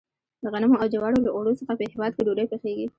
د غنمو او جوارو له اوړو څخه په هیواد کې ډوډۍ پخیږي.